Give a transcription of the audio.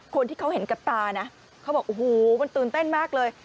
คนที่เขาเห็นกับตานะเขาบอกโอ้โหมันตื่นเต้นมากเลย